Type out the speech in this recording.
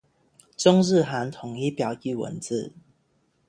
中日韩统一表意文字。